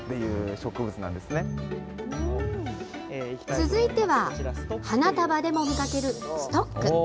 続いては、花束でも見かけるストック。